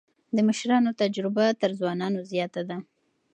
د مشرانو تجربه تر ځوانانو زياته ده.